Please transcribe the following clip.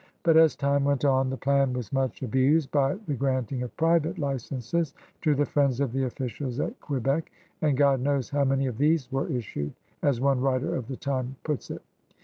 But as time went on the plan was much abused by the granting of private licenses to the friends of the officials at Quebec, and " God knows how many of these were issued, " as one writer of the tmie puts it.